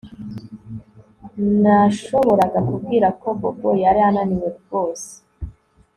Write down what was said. Nashoboraga kubwira ko Bobo yari ananiwe rwose